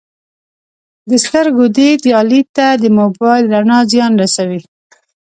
د سترګو دید یا لید ته د موبایل رڼا زیان رسوي